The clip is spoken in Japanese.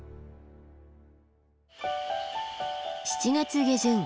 ７月下旬。